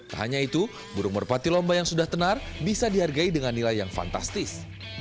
tak hanya itu burung merpati lomba yang sudah tenar bisa dihargai dengan nilai yang fantastis